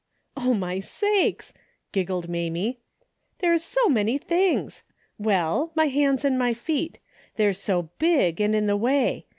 " Oh my sakes !" giggled Mamie. " There's so many things. Well, my hands and my feet. They're so big, and in the way.